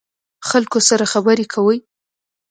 خلکو سره خبرې کوئ؟